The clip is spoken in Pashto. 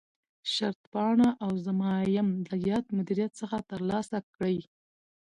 شرطپاڼه او ضمایم له یاد مدیریت څخه ترلاسه کړي.